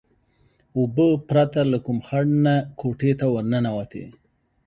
اوبه پرته له کوم خنډ نه کوټې ته ورننوتې.